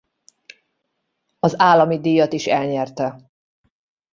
Az állami díjat is elnyerte.